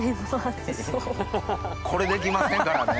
これできませんからね。